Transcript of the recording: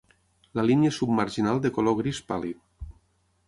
La línia submarginal de color gris pàl·lid.